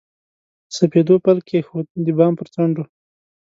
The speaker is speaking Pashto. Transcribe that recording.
سپېدو پل کښېښود، د بام پر څنډو